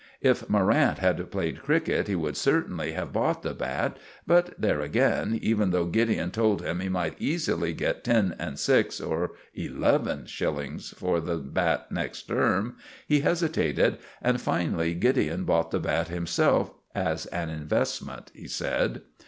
If Morrant had played cricket he would certainly have bought the bat; but there again, even though Gideon told him he might easily get ten and six or eleven shillings for the bat next term, he hesitated, and finally Gideon bought the bat himself as an investment, he said.